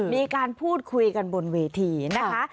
มีการพูดคุยกันบนเวทีนะคะ